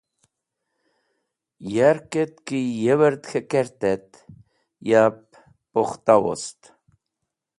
Yarkẽt ki yewẽrd k̃hẽ kertet yab pukhta wost.